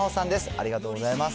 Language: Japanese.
ありがとうございます。